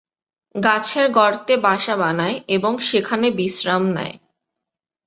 গাছের গর্তে বাসা বানায় এবং সেখানে বিশ্রাম নেয়।